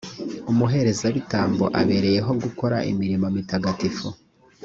umuherezabitambo abereyeho gukora imirimo mitagatifu